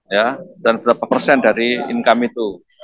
ya dan berapa persen dari income itu